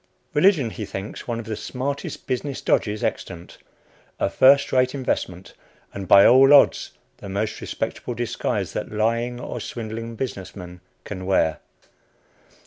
Religion he thinks one of the smartest business dodges extant, a firstrate investment, and by all odds the most respectable disguise that a lying or swindling business man can wear.